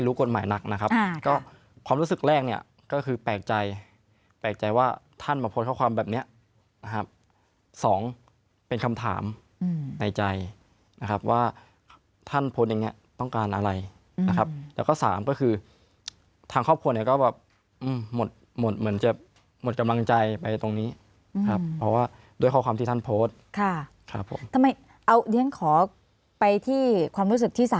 กฎหมายหนักนะครับก็ความรู้สึกแรกเนี่ยก็คือแปลกใจแปลกใจว่าท่านมาโพสต์ข้อความแบบเนี้ยนะครับสองเป็นคำถามในใจนะครับว่าท่านโพสต์อย่างเงี้ต้องการอะไรนะครับแล้วก็สามก็คือทางครอบครัวเนี่ยก็แบบหมดหมดเหมือนจะหมดกำลังใจไปตรงนี้ครับเพราะว่าด้วยข้อความที่ท่านโพสต์ค่ะครับผมทำไมเอาเรียนขอไปที่ความรู้สึกที่สา